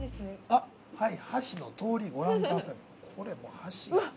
◆箸の通り、ご覧ください。